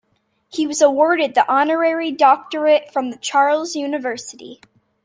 He was awarded the honorary doctorate from the Charles University.